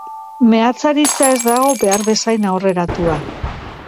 Meatzaritza ez dago behar bezain aurreratua.